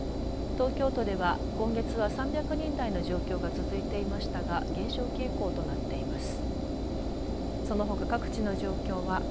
東京都では今月は３００人台の状況が続いていましたが減少傾向となっています。